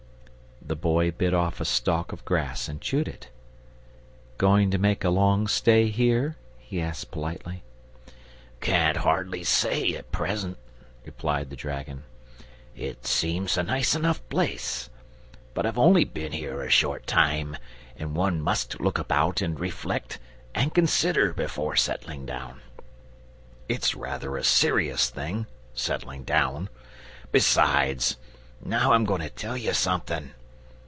The Boy bit off a stalk of grass and chewed it. "Going to make a long stay here?" he asked, politely. "Can't hardly say at present," replied the dragon. "It seems a nice place enough but I've only been here a short time, and one must look about and reflect and consider before settling down. It's rather a serious thing, settling down. Besides now I'm going to tell you something!